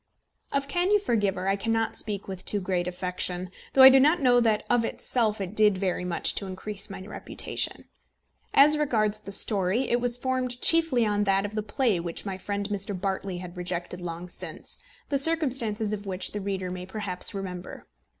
Of Can You Forgive Her? I cannot speak with too great affection, though I do not know that of itself it did very much to increase my reputation. As regards the story, it was formed chiefly on that of the play which my friend Mr. Bartley had rejected long since, the circumstances of which the reader may perhaps remember.